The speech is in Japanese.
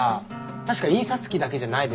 確か印刷機だけじゃないでしょ？